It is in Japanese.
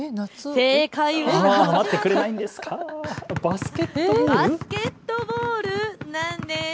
正解はバスケットボールなんです。